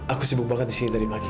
aku sibuk banget disini dari pagi